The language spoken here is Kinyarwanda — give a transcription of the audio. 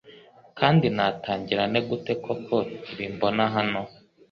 Kandi natangira nte gute koko ibi mbona hano